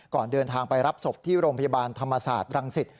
ก่อนเดินทางไปรับศพที่โรงพยาบาลธรรมศาสตร์รังสิต